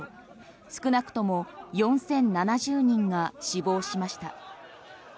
少なくとも４０７０人が死亡しました。